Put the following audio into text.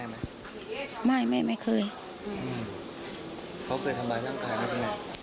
ทำร้ายคุณแม่ไหมไม่ไม่ไม่เคยอืมเขาเคยทำร้ายร่างกายไหมคุณแม่